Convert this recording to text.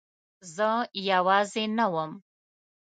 زه یوازې نه وم.